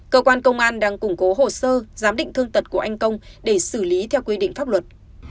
cơ quan công an đang củng cố hồ sơ giám định thương tật của anh công để xử lý theo quy định pháp luật